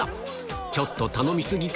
ちょっと頼み過ぎか。